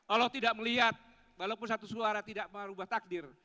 allah tidak melihat walaupun satu suara tidak merubah takdir